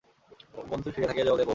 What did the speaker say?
বন্ধু শুইয়া থাকিয়াই জবাব দেয়, বৌ!